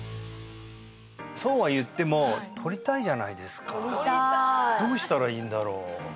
そうは言っても取りたいじゃないですか取りたいどうしたらいいんだろう？